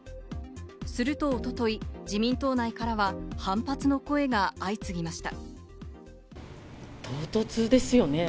すると一昨日、自民党内からは反発の声が相次ぎました。